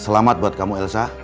selamat buat kamu elsa